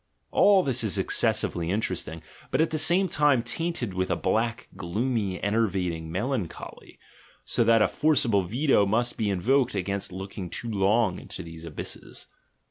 All this is exces sively interesting, but at the same time tainted with a black, gloomy, enervating melancholy, so that a forcible veto must be invoked against looking too long into these abysses.